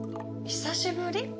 久しぶり？